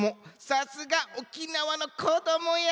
さすが沖縄のこどもや。